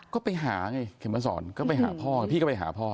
ก็ไปหาไงเข็มมาสอนก็ไปหาพ่อไงพี่ก็ไปหาพ่อ